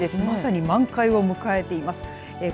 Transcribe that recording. まさに満開を迎えています。